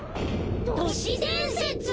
都市伝説！？